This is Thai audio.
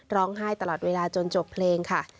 ร้องไห้ตลอดเวลาจนจบเพลงค่ะ